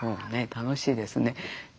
楽しいですね。